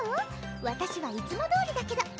わたしはいつもどおりだけど！